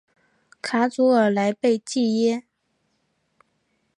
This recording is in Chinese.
卡祖尔莱贝济耶。